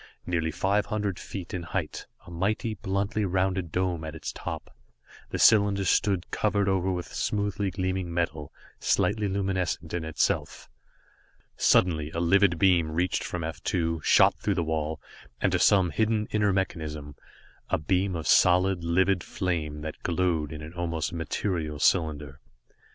Nearly five hundred feet in height, a mighty, bluntly rounded dome at its top, the cylinder stood, covered over with smoothly gleaming metal, slightly luminescent in itself. Suddenly, a livid beam reached from F 2, shot through the wall, and to some hidden inner mechanism a beam of solid, livid flame that glowed in an almost material cylinder.